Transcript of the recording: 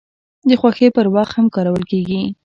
د خوښۍ پر وخت هم کارول کیږي.